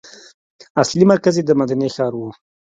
اصلي مرکز یې د مدینې ښار و.